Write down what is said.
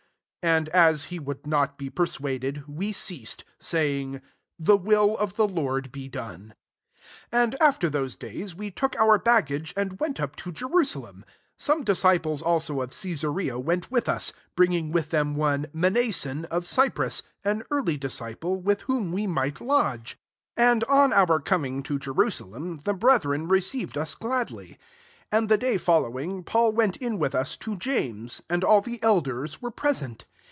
14 And as he would not be persuaded, we ceased; saying, *< The will of the Lord be done.'* ' 15 And after those days we took our baggage and went up to Jerusalem. 16 Some disci ples also of Caesarea went with us; bringing with them one Mnason of Cyprus, an early disciple, with whom we might lodge." 17 And on our coining to Jerusalem, the brethren receiv* ed us gladly. IS And the day following, Paul went in with us to James; and all the elders were present.